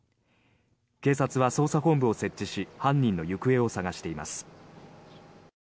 警察は捜査本部を設置し犯人の行方を捜しています。